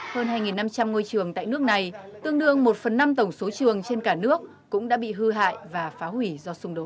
hơn hai năm trăm linh ngôi trường tại nước này tương đương một phần năm tổng số trường trên cả nước cũng đã bị hư hại và phá hủy do xung đột